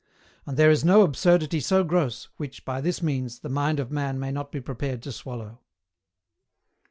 And there is no absurdity so gross, which, by this means, the mind of man may not be prepared to swallow.